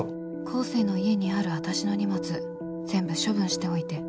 「光晴の家にあるあたしの荷物全部処分しておいて」。